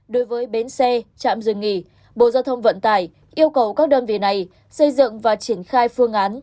đối với bến xe trạm dừng nghỉ bộ giao thông vận tải yêu cầu các đơn vị này xây dựng và triển khai phương án